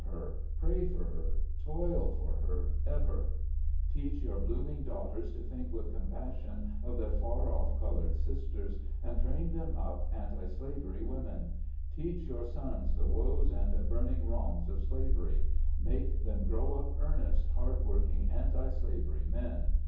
187 her, pray for her, toil for her, ever ; teach your blooming daughters to think with compassion of their far off colored sisters, and train them up anti slavery women ! Teach your sons the woes and burning wrongs of slavery; make them grow up earnest, hard working anti slavery men.